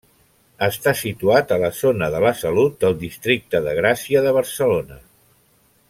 Està situat a la zona de La Salut del districte de Gràcia de Barcelona.